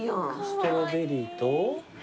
ストロベリーと。